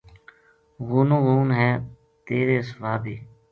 غونو غون ہے تیرے سوا بی